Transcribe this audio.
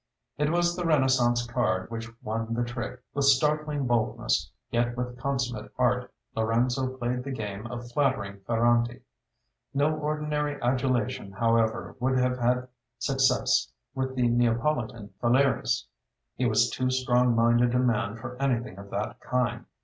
It was the Renaissance card which won the trick. With startling boldness, yet with consummate art, Lorenzo played the game of flattering Ferrante. No ordinary adulation, however, would have had success with the Neapolitan Phaleris. He was too strong minded a man for anything of that kind.